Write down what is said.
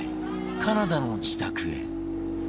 カナダの自宅へ